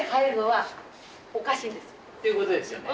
だけどっていうことですよね。